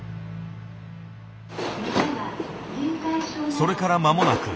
それから間もなく。